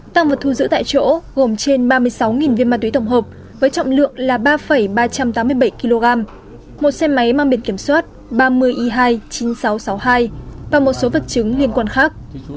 tăng vật thu giữ tại chỗ gồm trên ba mươi sáu viên ma túy tổng hợp với trọng lượng là ba ba trăm tám mươi bảy kg một xe máy mang biển kiểm soát ba mươi y hai chín nghìn sáu trăm sáu mươi hai và một số vật chứng liên quan khác